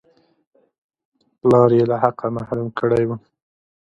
پلار یې له حقه محروم کړی وو.